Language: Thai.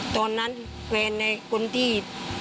ตอนนั้นแฟนในคนที่